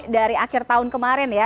dari akhir tahun kemarin ya